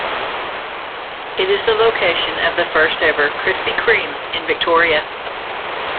It is the location of the first-ever Krispy Kreme in Victoria.